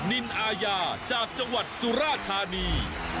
นินอาญาจากจังหวัดสุราธานี